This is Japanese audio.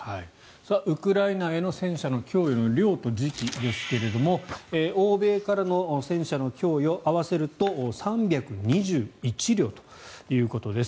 ウクライナへの戦車の供与の量と時期ですが欧米からの戦車の供与合わせると３２１両ということです。